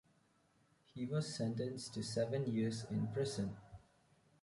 He was sentenced to seven years in prison.